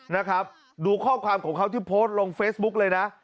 นะครับดูข้อความของเขาที่โพสต์ลงเฟซบุ๊กเลยนะ